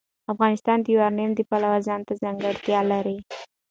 افغانستان د یورانیم د پلوه ځانته ځانګړتیا لري.